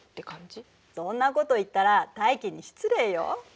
そんなこと言ったら大気に失礼よ。